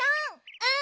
うん！